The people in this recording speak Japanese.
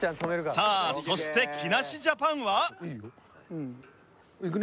さあそして木梨ジャパンは。